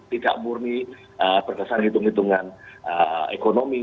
tidak murni berkesan hitung hitungan ekonomi